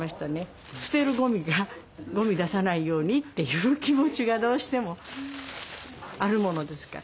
ゴミ出さないようにという気持ちがどうしてもあるものですから。